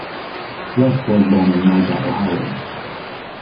Rusk was born in Malta, Ohio.